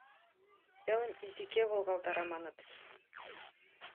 Телым изике волгалтара, маныт.